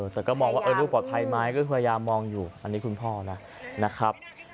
แต่ก็มองว่าลูกปลอดภัยไหมก็พยายามมองอยู่อันนี้คุณพ่อนะครับ